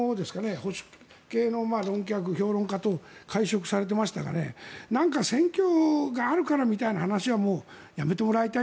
保守系の評論家と会食されてましたが選挙があるからみたいな話はもうやめたもらいたい。